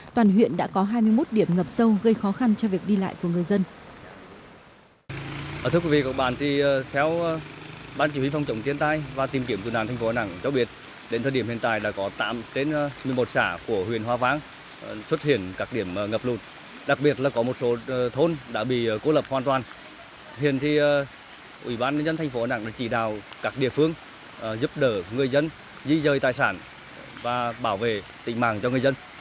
toàn huyện đã có hai mươi một điểm ngập sâu gây khó khăn cho việc đi lại của người dân